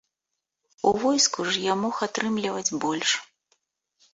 У войску ж я мог атрымліваць больш.